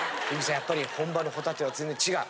やっぱり本場のホタテは全然違う？